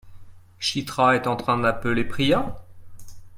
Chitra est en train d'appeler Priya ?